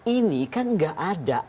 ini kan gak ada